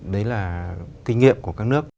đấy là kinh nghiệm của các nước